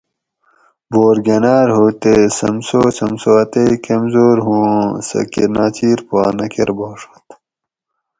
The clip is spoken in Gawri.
بور گۤناۤر ہو تے سمسو سمسو اتیک کمزور ہو اوُں سہ کہۤ ناچیر پا نہ کرۤباڛت